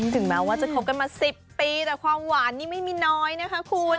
ถึงแม้ว่าจะคบกันมา๑๐ปีแต่ความหวานนี่ไม่มีน้อยนะคะคุณ